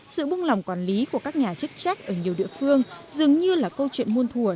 sự bung lòng quản lý của các nhà chức trách ở nhiều địa phương dường như là câu chuyện muôn thùa